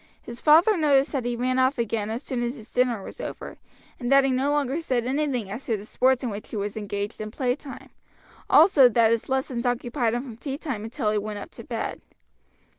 His father noticed that he ran off again as soon as his dinner was over, and that he no longer said anything as to the sports in which he was engaged in playtime; also, that his lessons occupied him from tea time until he went up to bed.